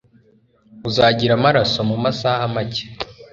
Uzagira amaraso mumasaha make.